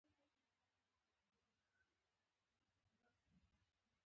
دا اکثر د ملاستې د غلط پوزيشن له وجې